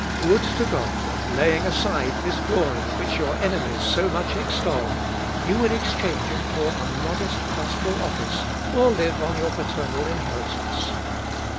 Would to God, that, laying aside this glory which your enemies so much extol, you would exchange it for a modest pastoral office, or live on your paternal inheritance.